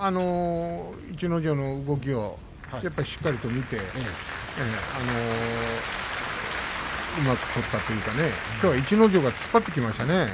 逸ノ城の動きをしっかりと見てうまく取ったというかきょうは逸ノ城が突っ張ってきましたね。